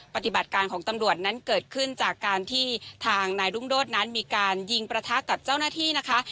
ปฏิบัติการของตำรวจนั้นเกิดขึ้นจากการที่ทางนายรุ่งโดดนั้นมีการยิงประทะกับเจ้าหน้าที่นะคะ